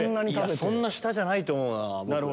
そんな下じゃないと思うなぁ。